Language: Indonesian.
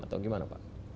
atau gimana pak